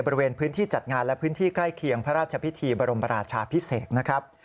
บริเวณพื้นที่จัดงานและพื้นที่ใกล้เคียงพระราชพิธีบรมราชาพิเศษนะครับ